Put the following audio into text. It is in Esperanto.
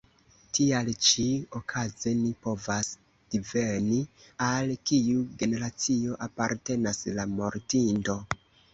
Tial ĉi-okaze ni povas diveni al kiu generacio apartenas la mortinto.